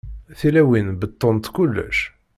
Tilawin beṭṭunt kullec.